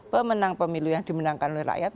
pemenang pemilu yang dimenangkan oleh rakyat